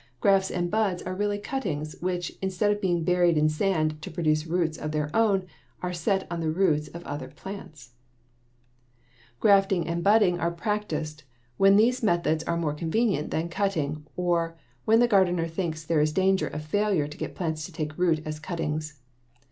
Grafts and buds are really cuttings which, instead of being buried in sand to produce roots of their own, are set on the roots of other plants. [Illustration: FIG. 45. ROSE CUTTING] Grafting and budding are practiced when these methods are more convenient than cuttings or when the gardener thinks there is danger of failure to get plants to take root as cuttings.